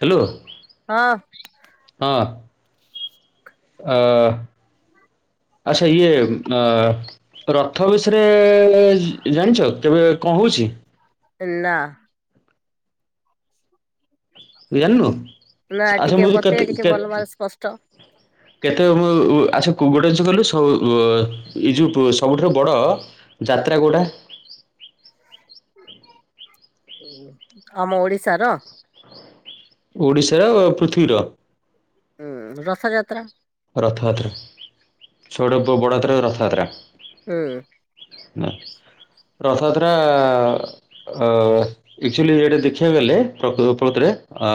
Hello ହଁ ହଁ ଆ ଆଚ୍ଛା ଇଏ ଅ-ରଥ ବିଷୟରେ ଜାଣିଛ କେବେ କଣ ହଉଛି? ନାଁ। [unintelligible] ତୁ ଜାଣିନୁ, ନା ଆଚ୍ଛା ଟିକେ ମୁଁ ଯଦି କେ ବତେଇ ତ୍ ଟିକେ କେ ଭଲ ତ୍ ଭାବରେ ସ୍ପଷ୍ଟ କେତେ ଉ ଆଛା ଗୋଟେ ଯୋଉ କହିଲୁ ଏ ଯୋଉ ସବୁଠାରୁ ବଡ଼ ଯାତ୍ରା କଉଟା? ଆମ ଓଡ଼ିଶାର? ଓଡ଼ିଶାର ପୃଥିବୀର। ଉଁ ରଥଯାତ୍ରା। ରଥଯାତ୍ରା ସବୁଠୁ ବଡ଼ ଯାତ୍ରା ରଥଯାତ୍ରା। ହୁଁ। ରଥଯାତ୍ରା ଆ ଏକ୍ ଚୁଆଲି ଏଟା ଦେଖିବାକୁ ପ୍ରକୃତରେ ଅ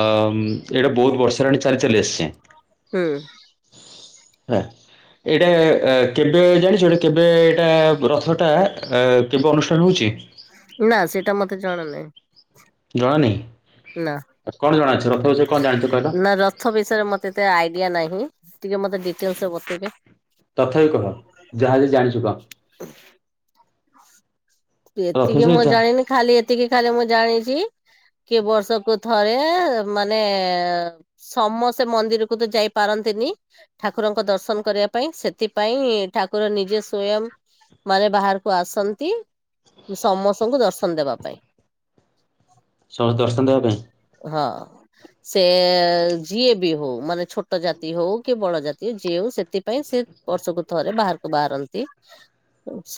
ଏଇଟା ବହୁତ୍ ବର୍ଷ ହେଲାଣି ଚାଲି ଚାଲି ଆସିଛି। ହୁଁ। [unintelligible] ଏଇଟା କେବେ ଜାଣିଛ କେବେ ଏଇଟା ରଥଟା କେବେ ଅନୁଷ୍ଠାନ ହଉଛି? ନାଁ ସେଇଟା ମତେ ଜଣା ନାହିଁ। ଜଣା ନା ନାହିଁ କଣ ଜଣାଅଛି ରଥ ବିଷୟରେ କଣ ଜାଣିଛ କହିଲ? ନା ରଥ ବିଷୟରେ ମତେ ଏତେ ଆଇଡିଆ ନାହିଁ ଟିକେ ମତେ ଡିଟେଲ୍ସ ବତେଇବେ। ତଥାପି କହ ଯାହା ଯେ ଜାଣିଛୁ କହ। ରଥ ଏତିକି ବିଷୟରେ ମୁଁ ଯା ଜାଣିନି ଖାଲି ଏତିକି ଖାଲି ମୁଁ ଜାଣିଛି କିଏ ବର୍ଷକୁ ଥରେ ମାନେ ସମସ୍ତେ ମନ୍ଦିରକୁ ତ ଯାଇ ପାରନ୍ତିନି। ଠାକୁରଙ୍କ ଦର୍ଶନ କରିବା ପାଇଁ ସେଥିପାଇଁ ଠାକୁର ନିଜେ ସ୍ଵୟଂ ମାନେ ବାହାରକୁ ଆସନ୍ତି। ସମସ୍ତଙ୍କୁ ଦର୍ଶନ ଦେବା ପାଇଁ। ସମସ୍ତେ ଦର୍ଶନ ଦବା ପାଇଁ? ହଁ। ସେ ଯିଏ ବି ହଉ ମାନେ ଛୋଟ ଜାତି ହଉ କି ବଡ଼ ଜାତି ହଉ ଯିଏ ହଉ ସେ ସେଥିପାଇଁ ସେ ବର୍ଷକୁ ଥରେ ବାହାରକୁ ବାହାରନ୍ତି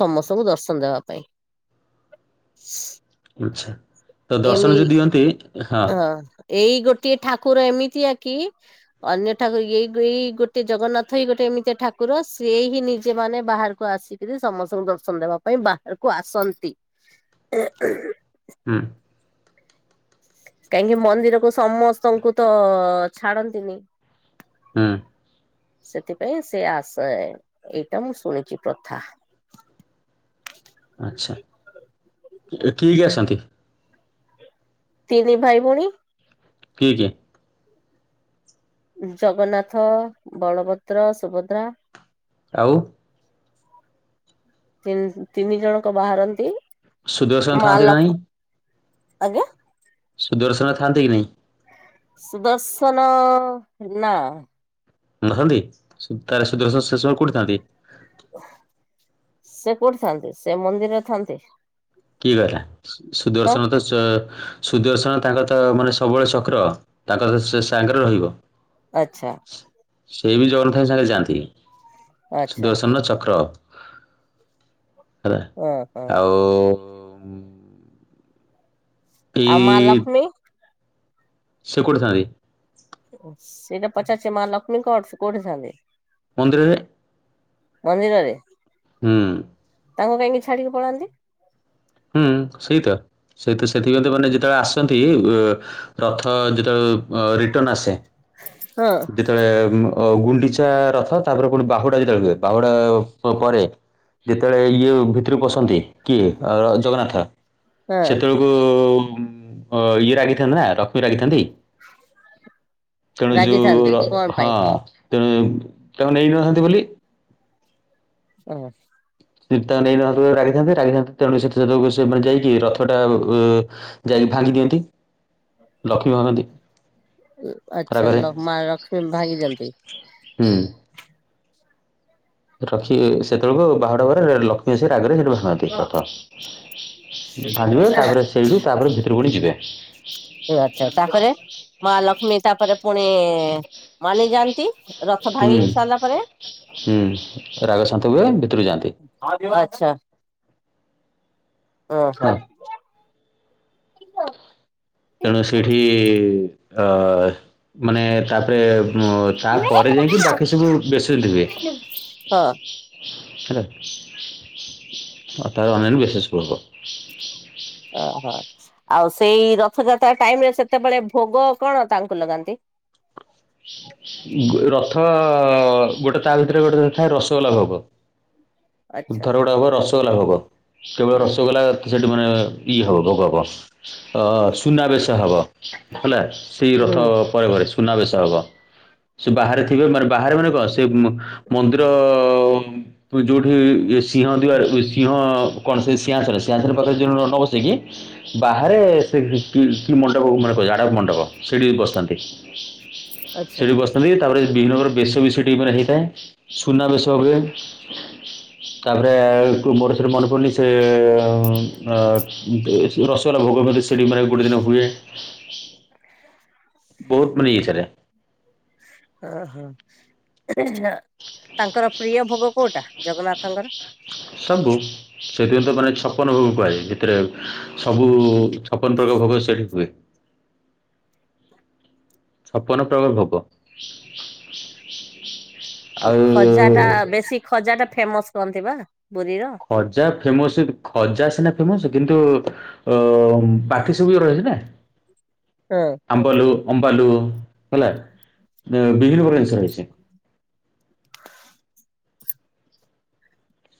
ସମସ୍ତଙ୍କୁ ଦର୍ଶନ ଦେବା ପାଇଁ। [inaudible] ଆଚ୍ଛା ତ ଏମି ଦର୍ଶନ ଯୋଉ ଦିଅନ୍ତି ହଁ ଏଇ ଗୋଟିଏ ଠାକୁର ଏମିତିଆ କି ଅନ୍ୟ ଠାକୁର ଏଇ ଏଇ ଗୋଟେ ଜଗନ୍ନାଥ ହି ଗୋଟେ ଏମିତି ଠାକୁର ସିଏ ହିଁ ନିଜେ ମାନେ ବାହାରକୁ ଆସି ସମସ୍ତଙ୍କୁ ଦର୍ଶନ ଦେବା ପାଇଁ ବାହାରକୁ ଆସନ୍ତି। ହୁଁ। କାହିଁକି ମନ୍ଦିରକୁ ସମସ୍ତଙ୍କୁ ତ ଛାଡ଼ନ୍ତିନି। ହୁଁ। ସେଥିପାଇଁ ସେ ଆସେ ଏଇଟା ମୁଁ ଶୁଣିଛି ପ୍ରଥା। ଆଚ୍ଛା କିଏ କିଏ ଅସନ୍ତି? ତିନି ଭାଇ ଭଉଣୀ। କିଏ, କିଏ? ଜଗନ୍ନାଥ, ବଳଭଦ୍ର, ସୁଭଦ୍ରା। ଆଉ? ତିନି ଜଣଙ୍କ ବାହାରନ୍ତି ସୁଦର୍ଶନ ମା ଥାଆନ୍ତି ନା ନାହିଁ ଲକ୍ଷ୍ମ- ଆଜ୍ଞା। ସୁଦର୍ଶନ ଥାନ୍ତି କି ନାଇଁ? ସୁଦର୍ଶନ- ନା। ନଥାନ୍ତି? ତାର ସୁଦୃଶ ସେସବୁ କୋଉଠି ଥାନ୍ତି? ସେ କୋଉଠି ଥାନ୍ତି ସେ ମନ୍ଦିରରେ ଥାନ୍ତି। କିଏ କହିଲା ସୁଦର୍ଶନ ତ ସୁଦର୍ଶନ ତାଙ୍କ ତ ମାନେ ସବୁବେଳେ ଚକ୍ର। ତାଙ୍କର ସେ ସାଙ୍ଗରେ ରହିବ। ଆଚ୍ଛା। ସେ ବି ଜଗନ୍ନାଥଙ୍କ ସାଙ୍ଗେ ଯାଆନ୍ତି ଆଚ୍ଛା ସୁଦର୍ଶନ ଚକ୍ର। ହେଲା ହଁ ହଁ ଆଉ- ଆଉ ମା ଏଇ ଲକ୍ଷ୍ମୀ? ସେ କୋଇଠିଥାନ୍ତି? ସେଇଟା ପଚାରୁଚି ମା ଲକ୍ଷ୍ମୀ କଣ କୋଉଠି ଥାନ୍ତି? ମନ୍ଦିରରେ। ମନ୍ଦିରରେ? ହୁଁ। ତାଙ୍କୁ କାହିକି ଛାଡିକି ପଳାନ୍ତି? ହୁଁ ସେଇତ ସେଇତ ସେଥିପାଇ ତ ମାନେ ଯେତେବେଳେ ଆସନ୍ତି ରଥ ଯେତେବେଳେ ରିଟର୍ଣ୍ଣ ଆସେ। ହଁ। ଯେତେବେଳେ ଗୁଣ୍ଡିଚା ରଥ ତାପରେ ପୁଣି ବାହୁଡା ଯେତେବେଳେ ହୁଏ ବାହୁଡା ପରେ ଯେତେବେଳେ ଇଏ ଭିତରେ ପଶନ୍ତି କିଏ ଜଗନ୍ନାଥ ହଁ ସେତେବେଳକୁ ଇଏ ରାଗିଥାନ୍ତ ନା ରକ୍ଷ୍ମୀ ରାଗିଥାନ୍ତି। ତେଣୁ ଯୋଉ ରାଗିଥାନ୍ତି କଣ ହଁ ପାଇଁ ତେଣୁ ତାଙ୍କୁ ନେଇ ନ ଥାନ୍ତି ବୋଲି। ହଁ। ତା ନେଇ ନ ରାଗିଥାନ୍ତେ ରାଗିଥାନ୍ତେ ତେଣୁ ସେତକୁ [unintelligible] ରଥଟା ଯାଇକି ଭାଙ୍ଗି ଦିଅନ୍ତି। ଲକ୍ଷ୍ମୀ ଭାଙ୍ଗନ୍ତି ଆଚ୍ଛା ରାଗରେ ଲ-ମା ଲକ୍ଷ୍ମୀ ଭାଙ୍ଗି ଦିଅନ୍ତି। ହୁଁ। ରଖି ସେତେବେଳକୁ ବାହୁଡା ଘରେ ଲକ୍ଷ୍ମୀ ଆସି ରାଗରେ ସଠି ରଥ ଭାଙ୍ଗିବେ ତାପରେ ସେଇଠୁ ତାପରେ ଭିତରକୁୁ ଯିବେ। ଆଚ୍ଛା ତାପରେ ମା ଲକ୍ଷ୍ମୀ ତାପରେ ପୁଣି- ମାନିଯାଆନ୍ତି ହୁଁ ହୁଁ ରାଗଶାନ୍ତ ହୁଏ ଭିତରକୁ ଯାଆନ୍ତି। ଆଚ୍ଛା। ଓ ହୋ। ହେଲା। ତେଣୁ ସେଇଠି- ଅ ମାନେ ତାପରେ ତା ପରେ ଯାଇକି ବାକି ସବୁ ବେଶନେବେ। ହଁ ହେଲା ତାର ଅନଲାଇନ ମେସେଜ ହବ। ଓହୋ ଆଉ ସେଇ ରଥଯାତ୍ରା ଟାଇମ ରେ ସେତେବେଳେ ଭୋଗ କଣ ତାଙ୍କୁ ଲଗାନ୍ତି? ରଥ ଗୋଟେ ତା ଭିତରେ ଗୋଟେ ଥାଏ ରସଗୋଲା ଭୋଗ। ଆଚ୍ଛା ଧର ଗୁଡା ହବ ରସଗୋଲା ଭୋଗ କେବଳ ହୁଁ ରସଗୋଲା ସେଇଠି ମାନେ ଇଏ ହେବ ଭୋଗ ସୁନାବେଶ ହେବ ହେଲା। ସେଇ ହୁଁ ରଥ ପରେ ପରେ ସୁନାବେଶ ହବ। ସେ ବାହାରେ ଥିବେ ମାନେ ବାହାରେ ମାନେ କଣ ସେ ମନ୍ଦିର ଯୋଉଠି ସିଂହଦ୍ୱାର ସିଂହ କଣ ସେ ସିଂହାସନ ସିଂହାସନ ପାଖରେ ନ ବସେଇକି ବାହାରେ ସେ କି କି ମଣ୍ଡପ ମାନେ ପଡ଼ିଲା ଆଡପ ମଣ୍ଡପ ସେଇଠି ବସିଥାନ୍ତି। ଆଚ୍ଛା ସେଇଠି ବସ୍ ହୁଏ ତାପରେ ବିଘ୍ନ ଙ୍କର ବେଶ ବି ସେଟି ମାନେ ହେଇଥାଏ ସୁନା ବେଶ ହୁଏ। ତାପରେ ଆଉ ମୋର ସେଠୁ ମନେ ପଡନି ସେ ଅ ଅ ଯୋଉ ରସଗୋଲା ଭୋଗ ମଧ୍ୟ ସେଠି ମାନେ ଗୋଏ ଦିନ ହୁଏ। ବହୁତ ମାନେ ଇଏ ଚାଲେ। ଅ ହ ତାଙ୍କର। ପ୍ରିୟ ଭୋଗ କୋଉଟା ଜଗନ୍ନାଥଙ୍କର। ସବୁ ସେଥିପାଇଁ ତ ମାନେ ଛପନ ଭୋଗ କୁହାଯାଏ ଭିତରେ ସବୁ। ଛପନ ପ୍ରକାର ଭୋଗ ସେଠି ହୁଏ। ଛପନ ପ୍ରକାର ଭୋଗ ଖଜା ଟା ଆଉ। ବେଶୀ ଖଜା ଟା ଫେମସ କହନ୍ତି ବା ପୁରୀ ର। ଖଜା ଫେମସ୍ ସେଠି ଖଜା ସିନା ଫେମସ୍ କିନ୍ତୁ ଅ। ହୁଁ ପାଟି ସୁବି ବାର ଅଛି ନା। ହଁ। ଆମ୍ବଲୁ ଅମ୍ବାଲୁ ହେଲା ବିଭିନ୍ନ ପ୍ରକାର ଜିନିଷ ରହିଛି।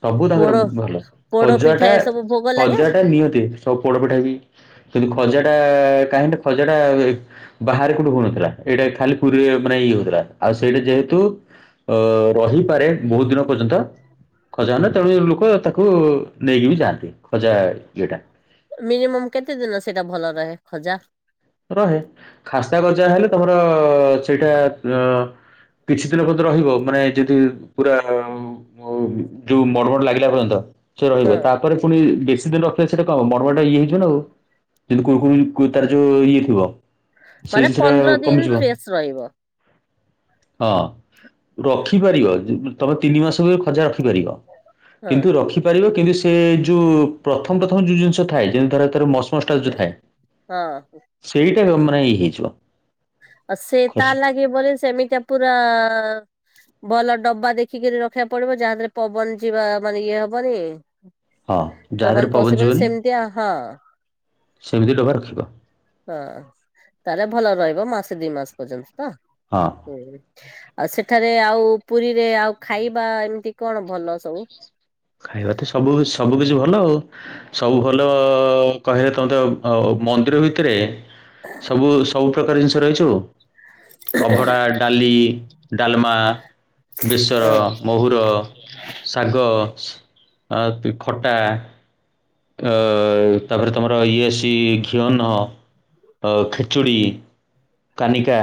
ସବୁ ତାଙ୍କର ପୋଡ ଭଲ ପୋଡ ପିଠା ଖଜାଟା ଏସବୁ ଭୋଗ ଲାଗେ ଖଜାଟା ନିଅନ୍ତି। ସବୁ ପୋଡପିଠା ବି କିନ୍ତୁ ଖଜା ଟା କାହିଁକି ନା ଖଜା ଟା। ବାହାରେ କୋଉଠେ ହଉନଥିଲା ଏଇଠେ ଖାଲି ପୁରୀରେ ମାନେ ଇଏ ହଉଥିଲା ଆଉ ସେଇଟା ଯେହେତୁ। ଅ ରହିପାରେ ବହୁତ ଦିନ ପର୍ଯ୍ୟନ୍ତ। ଖଜା ନା ତେଣୁ ଏ ଲୋକ ତାକୁ ନେଇକି ବି ଯାଆନ୍ତି ଖଜା ଇଏଟା। ମିନିମମ୍ କେତେ ଦିନ ସେଇଟା ଭଲ ରହେ ଖଜା। ରହେ ଖାସ୍ତା ଗଜା ହେଲେ ତମର ସେଇଟା ଆଁ। କିଛି ଦିନ ପଯ୍ୟନ୍ତ ରହିବ ମାନେ ଯଦି ପୁରା। ମ ଉ ଯୋଉ ମଡ ମଡ ଲାଗିଲା ପର୍ଯ୍ୟନ୍ତ ସେ ହଁ। ରହିବ ତା। କୁଆଡେ ପୁଣି ବେଶୀ ଦିନ ରଖିଲେ ସେଇଟା କଣ ହବ ମଡ ମଡ ଟା ଇଏ ହେଇ ଯିବ ନା ଆଉ କିନ୍ତୁ କୁଡୁ କୁଡି କୁ ତା ଯୋଉ ଇଏ। ଯିବ ସେ ମାନେ ଜିନିଷ ଟା ପନ୍ଦର ଦିନ କମିଯିବ। ଫ୍ରେଶ ରହିବ ହଁ ରଖିପାରିବ ଯେ ତମେ ତିନି ମାସ ଭିତରେ ଖଜା ରଖିପାରିବ। ହଁ କିନ୍ତୁ ରଖି ପାରିବ କିନ୍ତୁ ସେ ଯୋଉ ପ୍ରଥମ ପ୍ରଥମ ଯୋଉ ଜିନିଷ ଥାଏ ଯେମିତି ତାର। ମସ୍ ମସ୍ ଟା ଯୋଉ ଥାଏ। ହଁ। ସେଇଟା ଯୋଉ ମାନେ ଏଇ ହେଇ ଯିବ। ଆ ସେ ତା ଲାଗି ବୋଇଲେ ସେମି କା ପୁରା। ଭଲ ଡବା ଦେଖିକିରି ରଖିବାକୁ ପଡିବ ଯାହା ଦେହରେ ପବନ ଯିବା ମାନେ ଇଏ ହବନି। ହଁ ଯାହା ଦେହରେ ପବନ ପସିବନି ଯିବନି। ସେମିତିଆ ହଁ। ସେମିତି ଡବା ରଖିବ ହଁ ତାହେଲେ ଭଲ ରହିବ ମାସେ ଦି ମାସ ପର୍ଯ୍ୟନ୍ତ ତ। ହଁ। ହୁଁ ଆଉ ସେଠାରେ ଆଉ ପୁରୀରେ ଆଉ ଖାଇବା ଏମିତି କଣ ଭଲ ସବୁ। ଖାଇବା ତ ସବୁ ସବୁ କିଛି ଭଲ ଆଉ। ସବୁ ଭଲ କହିଲେ ତମେ ତ ଅ ଉ ମନ୍ଦିର ଭିତରେ। ସବୁ ସବୁ ପ୍ରକାର ଜିନିଷ ରହିଛୁ ଅଭଡା। ଡାଲି ଡାଲମା ବେସର ହଁ ମହୂର ଶାଗ। ଆଉ ତୁ ଖଟା। ଏ ତାପରେ ତମର ଇଏ ସି ଘିଅ ଅନ୍ନ। ଖିଚୁଡ଼ି କାନିକା।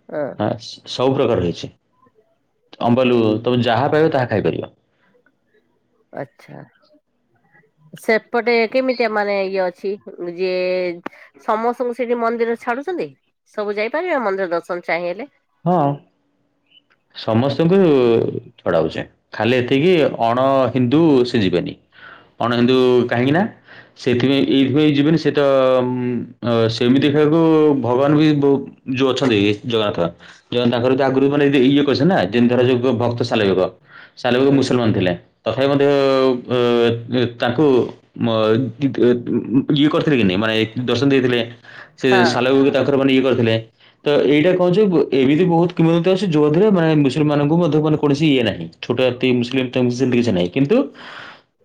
[unintelligible] ହା -ସ-ସବୁ ପ୍ରକାର ରହିଚି। ହ ଅମ୍ବଲୁ ତମେ ଯାହା ପାଇବ ତାହା ଖାଇପାରିବ। ଆଛା ସେପଟେ କେମିତି ମାନେ ଇଏ ଅଛି? ଯିଏ ସମସ୍ତଙ୍କୁ ସେଇଠି ମନ୍ଦିର ଛାଡୁଛନ୍ତି? ସବୁ ଯାଇପାରିବେ ମନ୍ଦିର ଦର୍ଶନ ଚାହିଁଲେ? ହଁ ସମସ୍ତଙ୍କୁ ଛଡାହଉଛି। ଖାଲି ଏତିକି ଅଣ ହିନ୍ଦୁ ସେ ଯିବେନି ଅଣ ହିନ୍ଦୁ କାହିଁକି ନା ସେଇଥିପାଇଁ ଏଇଥିପାଇଁ ଯିବନି ସେ ତ ଅ ଉଁ ସେମିତିଖିବାକୁ ଭଗବାନ ବି ବହୁ ଯୋଉ ଅଛନ୍ତି ଜଗନ୍ନାଥ ତାଙ୍କର ତ ଆଗରୁ ମାନେ ଇଏ କରିଶନ୍ତି ନା ଯେମିତି ଧର ଯୋଉ ଭକ୍ତ ସାଲଲେବେଗ ସାଲେବେଗ ହୁଁ। ମୁସଲମାନ ଥିଲେ ତଥାପି ମଧ୍ୟ ଅଁ ତାଙ୍କୁ ମ ଦି ଦି ଉଁ ଇଏ କରିଥିଲେ କି ନାଇ ମାନେ ଦର୍ଶନ ଦେଇଥିଲେ ସେ ହଁ ସାଲେବେଗ ତାଙ୍କର ମାନେ ଇଏ କରିଥିଲେ ତ ଏଇଟା କଛୁ ଅମିତ୍ ବହୁତ କିମ୍ବଦନ୍ତୀ ଅଛି ଯୋଉଥିରେ ମାନେ ମୁସିଲିମୀମାନଙ୍କୁ ମଧ୍ୟ ମାନେ କୌଣସି ଇଏ ନାହିଁ ଛୋଟ ଜାତି ମୁସଲିମ ସେମିତି କିଛି ନାହିଁ। କିନ୍ତୁ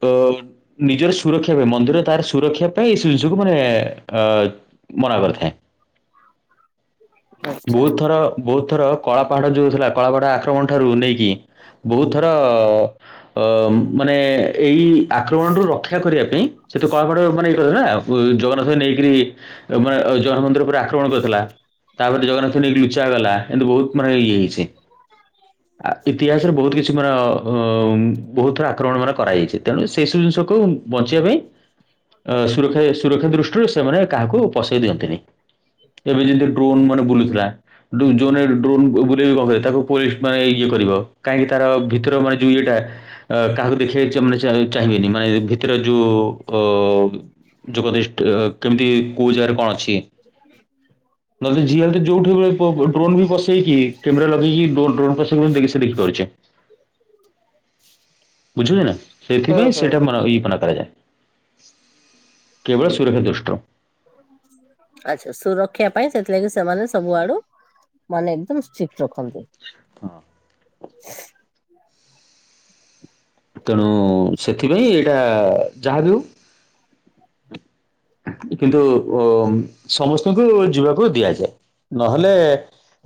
ଅ ନିଜର ସୁରକ୍ଷା ପାଇଁ ମନ୍ଦିର ତାର ସୁରକ୍ଷା ପାଇଁ ଏସବୁ ଜିନିଷକୁ ମାନେ ଅ ମନା କରିଥାଏ ଆଚ୍ଛା ବହୁତୁ ଥର ବହୁତୁ ଥର କଳା ପାହାଡ ଯୋଉ ଥିଲା କଳାପାହାଡ ଆକ୍ରମଣ ଠାରୁ ନେଇକି ବହୁତ ଥର ଅ ମାନେ ଏଇ ଆକ୍ରମଣରୁ ରକ୍ଷା ରକ୍ଷା କରିବା ପାଇଁ ସେ ତ କଳାପାହାଡ଼ ମାନେ ଇଏ ଜଗନ୍ନାଥ ନେଇକିରି ମାନେ ଜଗନ୍ନାଥ ମନ୍ଦିର ଆକ୍ରମଣ କରିଥିଲା ତାପରେ ଜଗନ୍ନାଥ ନେଇକି ଲୁଚା ଗଲା ଅମିତ୍ ବହୁତ ମାନେ ଇଏ ହେଇଛି। ଆ ଇତିହାସରେ ବହୁତ କିଛି ମାନେ ବହୁତ ଥର ଆକ୍ରମଣ ମାନେ କରାଯାଇଛି। ତେଣୁ ସେସବୁ ଜିନିଷକୁ ବଞ୍ଚିବା ପାଇଁ ଅ ସୁରକ୍ଷା ସୁରକ୍ଷା ଦୃଷ୍ଟିରୁ ସେମାନେ କାହାକୁ ପସେଇ ଦିଅନ୍ତିନି। ଏବେ ଯେମିତି ଡ୍ରୋନ୍ ମାନେ ବୁଲୁଥିଲା ଜୋନ ଡ୍ରୋନ୍ ବୁଲେଇ [unintelligible] ତାକୁ ପୋଲିସ ଆନେ ଇଏ କ ରିବ କାହିଁକି ତାର ଭିତର ମାନେ ଯୋଉ ଇଏଟା ଅ କାହାକୁ ଦେଖିବା ଚ ଚା ଚାହିଁବେନି ମାନେ ଭିତରେ ଯୋଉ ଅ ଯୋଗଦିଷ୍ଟ କେମିତି କୋଉ ଜାଗାରେ କଣ ଅଛି? ହ ନହେଲେ ି ହେ ଯୋଉଠି ଡ୍ରୋନ ବି ବସେଇକି କ୍ୟେ ଲେଇକିଡ ଡୋ ଖି ଦେଖି କରୁେ [unintelligible] ବୁଝିଲେ ନା ହୁଁ ସେଥିପାଇଁ ହୁଁ ସେଇଟା ମ ଇଏପନା କରାଯାଏ। କେବଳ ସୁରକ୍ଷା ଦୁଷ୍ଟି ରୁ ଆଚଛା ସୁରକ୍ଷା ପାଇଁ ସେଥିଲାଗି ସେମାନେ ସବୁଆଡୁ ମାନେ ଏକଦମ ଷ୍ଟ୍ରିକଟ ରଖନ୍ତି। ହଁ। ହ ତେଣୁ ସେଥିପାଇଁ ଏଇଟା ଯାହା ବି ହଉ କିନ୍ତୁ ସମସ୍ତଙ୍କୁ ଯିବାକୁ ଦିଆଯାଏ। ନହେଲେ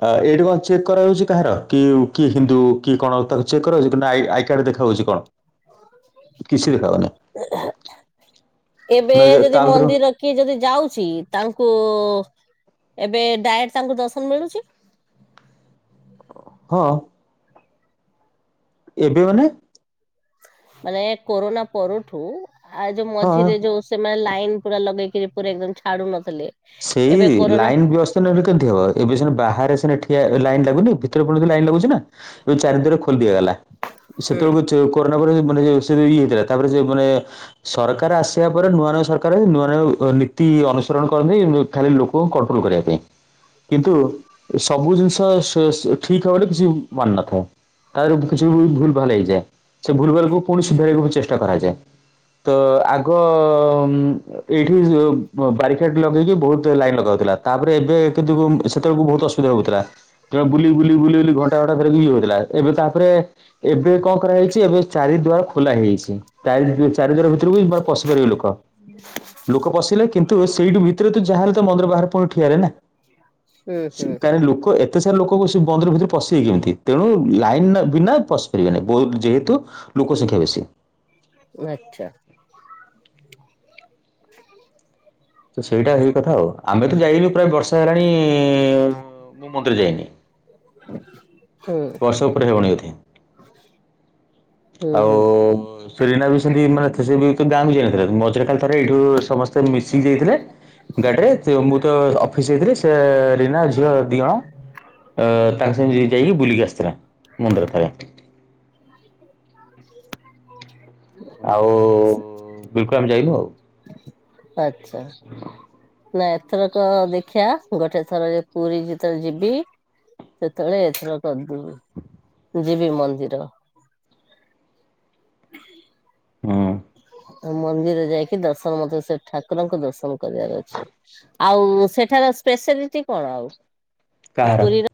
ଆ ଏଇଠି କଣ ଚେକ୍ କରାଯାଉଛି କାହାର କି କିଏ ହିନ୍ଦୁ କିଏ କଣ ତାକୁ ଚେକ୍ କରାଉଛି କି ଆଇ କାର୍ଡ ଦେଖାାଯାଉଛି କଣ? କିଛି ଦେଖା ହଉନି ଏବେ ନା ଏ- ତା ଯଦି ଭିତରୁ ମନ୍ଦିର କିଏ ଯଦି ଯାଉଛି ତାଙ୍କୁ ଏବେ ଡାଇରେକ୍ଟ ତାଙ୍କୁ ଦର୍ଶନ ମିଳୁଛି। ହଁ। ଏବେ ମାନେ ମାନେ କୋରୋନା ପରଠୁ ଆ ଯୋଉ ହଁ ମଝିରେ ଯୋଉ ସେମାନେ ଲାଇନ ପୁରା ଲଗେଇକିରି ପୁରା ଏକଦମ ଛାଡୁ ନଥିଲେ। ସେଇ ଏବେ କୋରୋନା ଲାଇନ୍ ବିଅସ୍। ଭିତରେ ନ ରଇଲେ କେମତି ହବ ଏବେ ସିନା ବାହାରେ ସିନା ଠିଆ ଲାଇନ୍ ଲାଗୁନି ଭିତରେ ପୁଣି ଲାଇନ୍ ଲାଗୁଛି ନା। ଏବେ ଚାରି ଦ୍ଵାର ଖୋଲି ଦିଆଗଲା ହୁଁ ସେତେ ବେଳକୁ। ସେ ଯୋଉ କରୋନା ପରେ ମାନ ଇଏ ସେ ଇଏ ହେଇଥିଲା ତାପରେ ସେ ମାନେ। ସରକାର ଆସିବା ପରେ ନୂଆ ନୂଆ ସରକାର ହେଇ ନୂଆ ନୂଆ ନୀତି ଅନୁସରଣ। କରନ୍ତି ଖାଲି ଲୋକଙ୍କୁ କଣ୍ଟ୍ରୋଲ କରିବା ପାଇଁ। କିନ୍ତୁ ସବୁ ଜିନିଷ ସ ସ ଠିକ ହବ ବୋଲି କିଛି ମାନେ ନଥାଏ। ତାରୁ କିଛି ବି ଭୁଲ ଭାଲ ହେଇଯାଏ ସେ ଭୁଲ ଭାଲକୁ ପୁଣି ସୁଧାରିବାକୁ ବି ଚେଷ୍ଟା କରାଯାଏ। ତ ଆଗ ଏଇଠି ବାରି କେଟ ଲଗେଇକି ବହୁତ ଲାଇନ ଲଗା ହଉଥିଲା ତାପରେ ଏବେ କିନ୍ତୁ ସେତେ ବେଳକୁ ବହୁତ ଅସୁବିଧା ହଉଥିଲା। ତ ବୁଲି ବୁଲି ବୁଲି ବୁଲି ଘଣ୍ଟା ଘଣ୍ଟା ଧରିକି ଇଏ ହଉ ଥିଲା ଏବେ ତାପରେ। ଏବେ କଣ କରାହେଇଛି ଏବେ ଚାରି ଦୁଆାର ଖୋଲା ହେଇ ଯାଇଛି। ଚାରି ଚାରି ଦ୍ଵାର ଭିତର କୁ ବି ମାନେ ପଶି ପାରିବେ ଲୋକ। ଲୋକ ପଶିଲେ କିନ୍ତୁ ସେଇଠୁ ଭିତରେ ତ ଯାହା ହେଲେ ତ ମନ୍ଦିର ବାହାରେ ପୁଣି ଠିଆ ହେଲେ ନା। ହୁଁ ସେ ହୁଁ କାଇଁ ଲୋକ ଏତେ ଏତେ ସାରା ଲୋକକୁ ସେ ମନ୍ଦିର ଭିତରେ ପଶିବେ କେମିତି ତେଣୁ ଲାଇନ ବିନା ପଶି ପାରିବେନି ବହୁତ ଯେହେତୁ। ଲୋକ ସଂଖ୍ୟା ବେଶୀ। ଆଚ୍ଛା। ତ ସେଇଟା ହେଇ କଥା ଆଉ ଆମେ ତ ଯାଇଲୁ ପ୍ରାୟ ବର୍ଷେ ହେଲାଣି ମୁଁ ମନ୍ଦିର ଯାଇନି। ବର୍ଷେ ଉପରେ ହେବନି ବୋଧେ। ହ [inaudible] ଆଉ ସୁ ରିନା ବି ସେମିତି ମାନେ ସେ ବି ଗାଁ ଯାଇ ନଥିଲେ ମଝିରେ ଖାଲି ଥରେ ଏଇଠୁ ସମସ୍ତେ। ସବୁ ମିଶିକି ଯାଇଥିଲେ ‌। ଗାଡିରେ ମୁଁ ତ ଅଫିସ ଯାଇଥିଲି ସେ ରିନା ଝିଅ ଦି ଜଣ। ଏ ତାଙ୍କ ସାଙ୍ଗେ ଯାଇକି ବୁଲିକି ଆସିଥିଲା ମନ୍ଦିର ଥରେ। [unintelligible] ଆଉ ବିଲକୁଲ ଆମେ ଯାଇନୁ ଆଉ। ଆଚ୍ଛା। ନା ଏଥରକ ଦେଖିବା ଗୋଟେ ଥର ପୁରୀ ଯେତେବେଳେ ଯିବି ସେତେବେଳେ ଏଥର କରିଦବୁ ମୁଁ ଯିବି ମନ୍ଦିର। ହୁଁ ମନ୍ଦିର ଯାଇକି ଦର୍ଶନ ମତେ ସେ ଠାକୁରଙ୍କ ଦର୍ଶନ କରିବାର ଅଛି। ଆଉ ସେଠାର ସ୍ପେଶାଲିଟି କଣ ଆଉ କାହାର ପୁରୀ ର।